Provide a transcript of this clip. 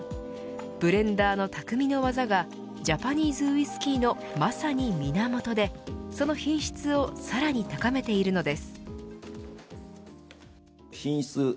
ブレンダーの匠の技がジャパニーズウイスキーのまさに源でその品質をさらに高めているのです。